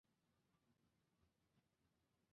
荷兰人正式登上安平之前的过渡小岛。